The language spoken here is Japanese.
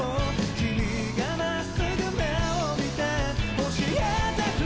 「君がまっすぐ目を見て教えてくれたんだ」